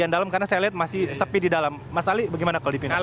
dalam karena saya lihat masih sepi di dalam mas ali bagaimana kalau dipindahkan